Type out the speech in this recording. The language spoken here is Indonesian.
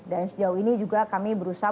dan sejauh ini juga kami berusaha